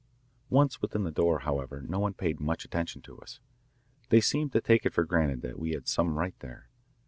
Once within the door, however, no one paid much attention to us. They seemed to take it for granted that we had some right there.